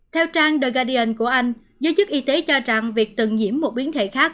theo trang the guardian của anh giới chức y tế cho rằng việc từng nhiễm một biến thể khác